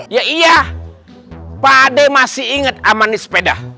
ya iya pakde masih inget ama nih sepeda